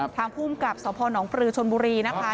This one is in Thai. ทางภูมิกับสพนปรือชนบุรีนะคะ